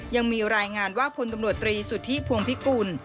ยังมีรายงานว่าพลตำรวจตรีสุทธิพวงพิกุล